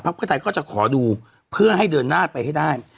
เพื่อไทยก็จะขอดูเพื่อให้เดินหน้าไปให้ได้